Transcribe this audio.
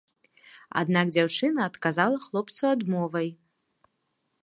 Аднак дзяўчына адказала хлопцу адмовай.